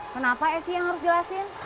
kenapa esy yang harus jelasin